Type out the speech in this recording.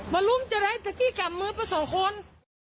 มารุมจะได้ตะที่กลับมือไป๒คน